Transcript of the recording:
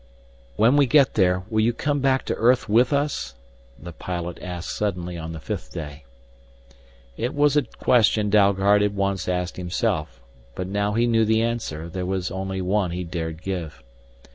"When we get there, will you come back to earth with us?" the pilot asked suddenly on the fifth day. It was a question Dalgard had once asked himself. But now he knew the answer; there was only one he dared give.